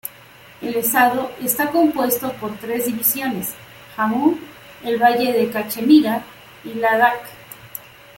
El estado está compuesto por tres divisiones: Jammu, el Valle de Cachemira y Ladakh.